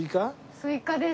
スイカです。